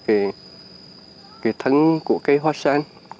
cái thân của cây hoa sen